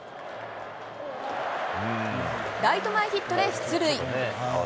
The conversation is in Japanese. ライト前ヒットで出塁。